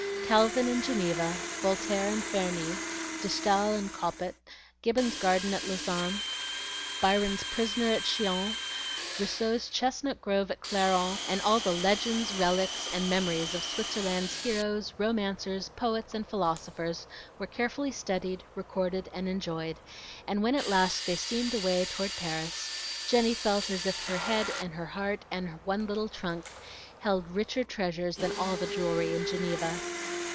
Calvin and Geneva, Voltaire and Ferney, De Stael and Coppet, Gibbon's garden at Lausanne, Byron's Prisoner at Chillon, Rousseau's chestnut grove at Clarens, and all the legends, relics, and memories of Switzerland's heroes, romancers, poets, and philosophers, were carefully studied, recorded, and enjoyed; and when at last they steamed away toward Paris, Jenny felt as if her head and her heart and one little trunk held richer treasures than all the jewelry in Geneva.